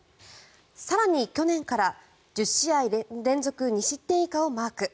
更に、去年から１０試合連続２失点以下をマーク。